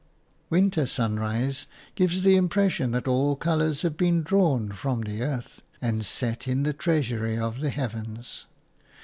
Winter sunrise gives the impression that all colours have been drawn from the earth and set in the treasury of the heavens.